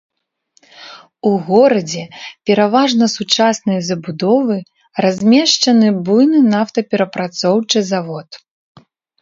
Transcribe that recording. У горадзе, пераважна сучаснай забудовы, размешчаны буйны нафтаперапрацоўчы завод.